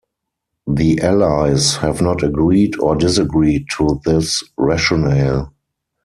The Allies have not agreed or disagreed to this rationale.